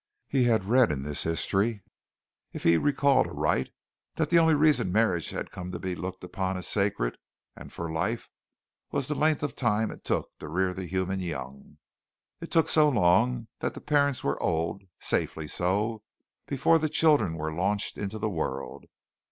He had read in this history, if he recalled aright, that the only reason marriage had come to be looked upon as sacred, and for life, was the length of time it took to rear the human young. It took so long that the parents were old, safely so, before the children were launched into the world.